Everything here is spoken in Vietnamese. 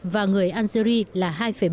và người algeria là tám